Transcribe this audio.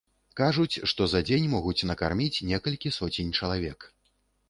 Кажуць, што за дзень могуць накарміць некалькі соцень чалавек.